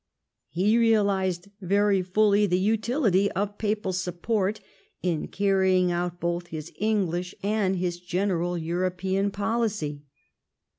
He realised very fully the utility of papal support in carrying out both his English and his general European policy.